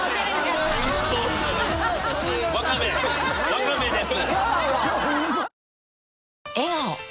ワカメです。